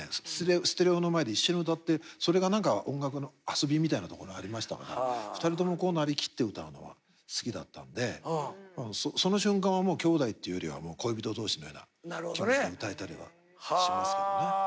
ステレオの前で一緒に歌ってそれが何か音楽の遊びみたいなところありましたから２人ともこうなりきって歌うのは好きだったんでその瞬間はきょうだいっていうよりは恋人同士のような気持ちで歌えたりはしますけどね。